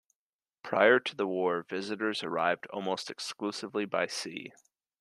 Prior to the war, visitors arrived almost exclusively by sea.